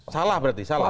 salah berarti salah